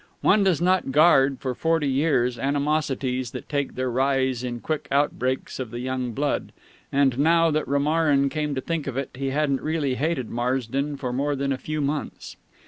One does not guard, for forty years, animosities that take their rise in quick outbreaks of the young blood; and, now that Romarin came to think of it, he hadn't really hated Marsden for more than a few months.